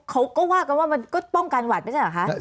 เขาก็ว่ากันว่ามันก็ป้องกันหวัดไม่ใช่เหรอคะ